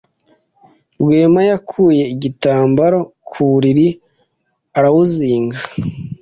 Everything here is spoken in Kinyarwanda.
Rwema yakuye igitambaro ku buriri arawuzinga.